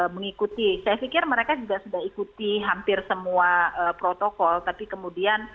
mengikuti saya pikir mereka juga sudah ikuti hampir semua protokol tapi kemudian